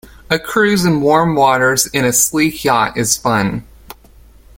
A cruise in warm waters in a sleek yacht is fun.